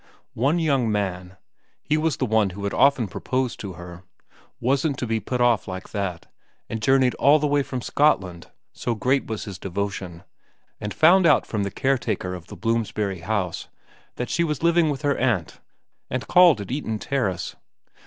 One young man he was the one who often proposed to her wasn't to be put off like that, and journeyed all the way from Scot land, so great was his devotion, and found out from the caretaker of the Bloomsbury house that she was living with her aunt, and called at Eaton Terrace.